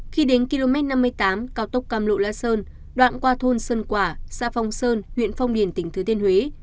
khi đến km năm mươi tám cao tốc cằm lộ la sơn đoạn qua thôn sơn quả xa phong sơn huyện phong điển tỉnh thứa thiên huế